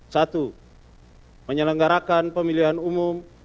satu menyelenggarakan pemilihan umum